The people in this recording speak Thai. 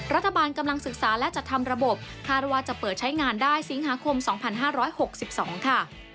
รัฐบาลกำลังศึกษาและจัดทำระบบคาดว่าจะเปิดใช้งานได้สิงหาคม๒๕๖๒ค่ะ